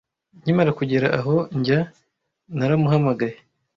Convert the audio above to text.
Nkimara kugera aho njya, naramuhamagaye.